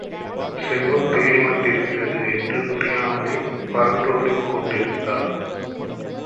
செல்வம் தேடிவந்திருக்கிறது என்று புரியாமலே பறந்தோடிக் கொண்டிருந்தாள்.